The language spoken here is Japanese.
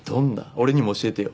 俺にも教えてよ